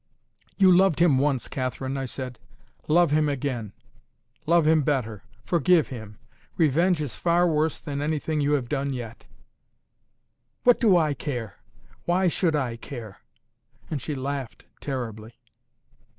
"You loved him once, Catherine," I said. "Love him again. Love him better. Forgive him. Revenge is far worse than anything you have done yet." "What do I care? Why should I care?" And she laughed terribly.